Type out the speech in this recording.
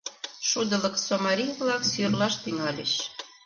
Шудылыкысо марий-влак сӱрлаш тӱҥальыч.